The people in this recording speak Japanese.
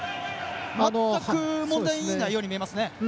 全く問題ないように思います。